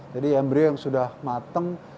jadi embryo yang sudah mateng